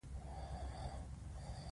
استاد د رڼا په لور د لارې مشعل دی.